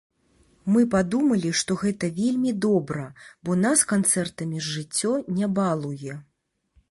Мы падумалі, што гэта вельмі добра, бо нас канцэртамі жыццё не балуе.